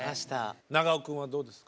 長尾くんはどうですか？